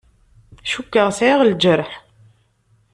Cukkeɣ sɛiɣ lǧerḥ.